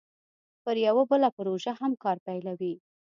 پر یوه بله پروژه هم کار پیلوي